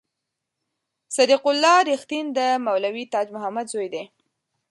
صدیق الله رښتین د مولوي تاج محمد زوی دی.